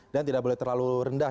dan tidak boleh terlalu rendah